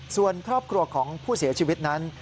ส่วนครอบครัวของผู้เสียชีวิตนั้น